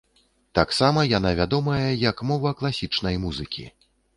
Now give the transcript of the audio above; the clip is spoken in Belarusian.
Таксама яна вядомая як мова класічнай музыкі.